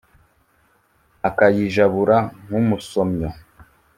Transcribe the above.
akayijabura nk'umusomyo